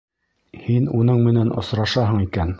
Һин уның менән осрашаһың икән.